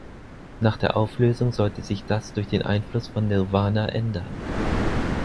Nach der Auflösung sollte sich das durch den Einfluss von Nirvana ändern.